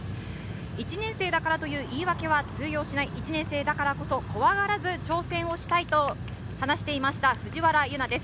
１年生だからという言い訳は通用しない、怖がらず挑戦したいと話していました、藤原唯奈です。